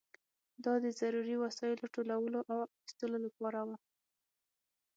دا د ضروري وسایلو ټولولو او اخیستلو لپاره وه.